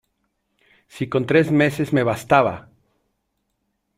¡ si con tres meses me bastaba!